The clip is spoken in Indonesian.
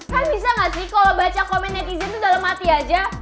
kan bisa gak sih kalo baca komen netizen tuh dalam hati aja